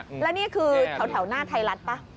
แล้วนี่คือแถวหน้าไทยรัฐป่ะ